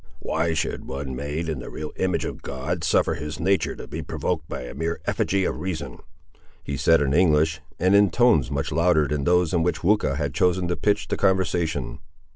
"Why should one made in the real image of God suffer his natur' to be provoked by a mere effigy of reason?" he said in English, and in tones much louder than those in which Weucha had chosen to pitch the conversation.